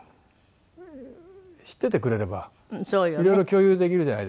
知っててくれればいろいろ共有できるじゃないですか。